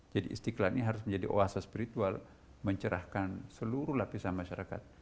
istiqlal ini harus menjadi oasa spiritual mencerahkan seluruh lapisan masyarakat